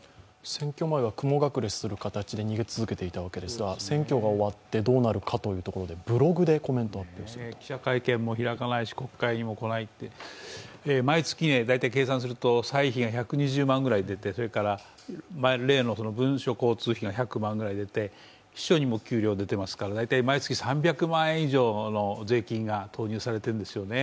選挙前は雲隠れする形で逃げ続けていたんですが、選挙が終わって、どうなるかというところで、記者会見も開かないし、国会にも来ないって毎月計算すると歳費が１２０万くらい出てそれから例の文書交通費が１００万円ぐらい出て、秘書にも給料出ていますから、毎月大体３００万円以上の税金が投入されてるんですよね。